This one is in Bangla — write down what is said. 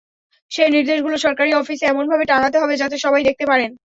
সেই নির্দেশগুলি সরকারি অফিসে এমনভাবে টাঙাতে হবে যাতে সবাই দেখতে পারেন।